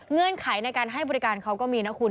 ไขในการให้บริการเขาก็มีนะคุณ